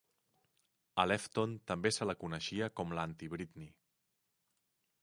A Lefton també se la coneixia com l'antiBritney.